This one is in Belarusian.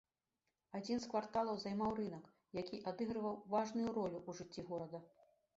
Адзін з кварталаў займаў рынак, які адыгрываў важную ролю ў жыцці горада.